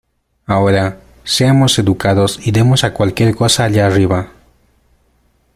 Ahora, seamos educados y demos a cualquier cosa allá arriba...